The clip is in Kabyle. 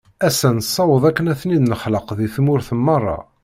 Ass-a, nessaweḍ akken ad ten-id-nexlaq di tmurt merra.